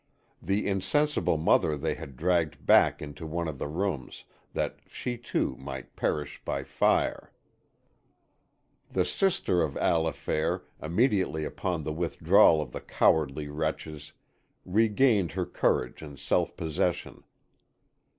The insensible mother they had dragged back into one of the rooms, that she, too, might perish by fire. The sister of Allifair, immediately upon the withdrawal of the cowardly wretches, regained her courage and self possession.